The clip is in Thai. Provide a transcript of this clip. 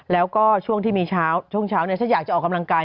แล้วก็ช่วงที่มีเช้าช่วงเช้าฉันอยากจะออกกำลังกาย